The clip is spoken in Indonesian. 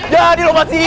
jangan dilompat sini